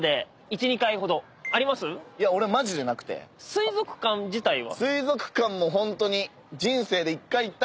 水族館自体は？